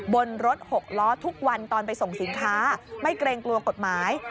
บนรถหกล้อทุกวันตอนไปส่งสินค้าไม่เกรงกลัวกฎหมาย